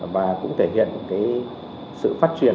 và cũng thể hiện sự phát triển